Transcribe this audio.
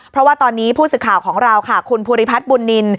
เพราะว่าตอนนี้ผู้สื่อข่าวของเราค่ะคุณภูริพัฒน์บุญนิน